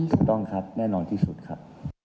ถูกต้องครับแน่นอนที่สุดครับ